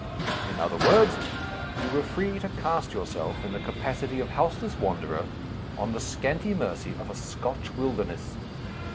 In other words, you were free to cast yourself, in the capacity of houseless wanderer, on the scanty mercy of a Scotch wilderness.